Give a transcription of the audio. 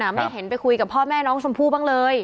ไม่เห็นไปคุยกับพ่อแม่น้องชมพู่บ้างเลย